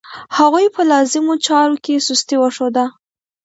هغوی په لازمو چارو کې سستي وښوده.